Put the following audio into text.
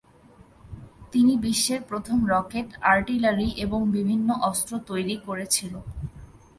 তিনি বিশ্বের প্রথম রকেট আর্টিলারি এবং বিভিন্ন অস্ত্র তৈরি করেছিল।